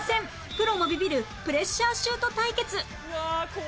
プロもビビるプレッシャーシュート対決